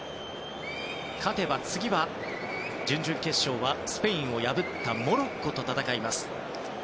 勝てば、次は準々決勝はスペインを破ったモロッコと戦います。